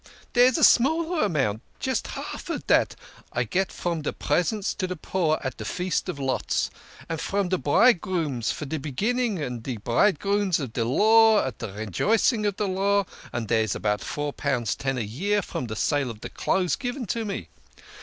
"Dere is a smaller amount just half dat I get from de presents to de poor at de Feast of Lots, and from de Bridegrooms of de Beginning and de Bridegrooms of de Law at de Rejoicing of de Law, and dere is about four pounds ten a year from de sale of clothes given to me.